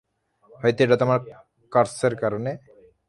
হয়তো এটা তোমার কার্সের কারণে?